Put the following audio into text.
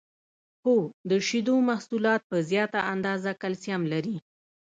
هو د شیدو محصولات په زیاته اندازه کلسیم لري